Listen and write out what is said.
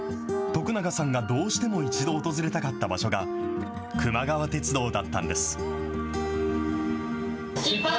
徳永さんがどうしても一度訪れたかった場所が、くま川鉄道だったんです。